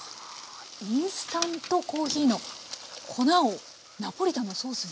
インスタントコーヒーの粉をナポリタンのソースに。